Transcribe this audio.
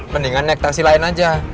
mendingan naik taksi lain aja